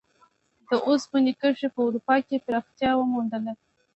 د اوسپنې کرښې په اروپا کې پراختیا وموندله.